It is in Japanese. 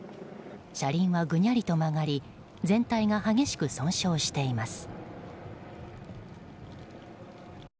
車輪はぐにゃりと曲り全体が激しく損傷しています。